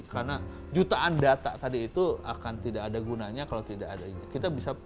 karena jutaan data tadi itu akan tidak ada gunanya kalau tidak ada ini